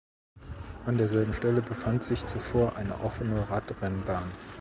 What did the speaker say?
An derselben Stelle befand sich zuvor eine offene Radrennbahn.